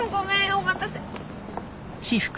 お待たせ。